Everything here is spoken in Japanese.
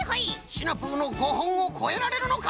シナプーの５ほんをこえられるのか？